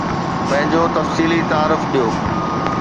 پنهنجو تفصيلي تعارف ڏيو